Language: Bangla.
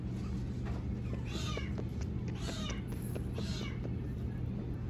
এটি উত্তর-পশ্চিম চীনের সবচেয়ে জনবহুল শহর।